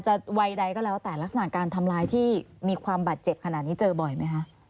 วัยใดก็แล้วแต่ลักษณะการทำลายที่มีความบาดเจ็บขนาดนี้เจอบ่อยไหมคะ